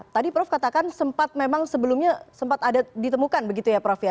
tadi prof katakan sempat memang sebelumnya sempat ada ditemukan begitu ya prof ya